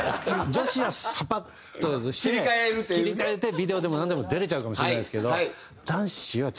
女子はサパッとして切り替えてビデオでもなんでも出れちゃうかもしれないですけど男子は違う。